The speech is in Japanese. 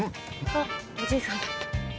あっおじいさんだった。